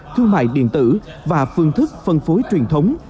thương mại điện tử và phương thức phân phối truyền thống